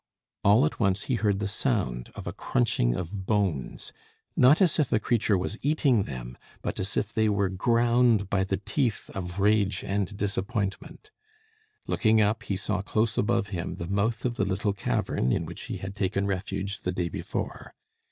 All at once he heard the sound of a crunching of bones not as if a creature was eating them, but as if they were ground by the teeth of rage and disappointment; looking up, he saw close above him the mouth of the little cavern in which he had taken refuge the day before.